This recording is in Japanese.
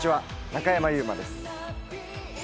中山優馬です。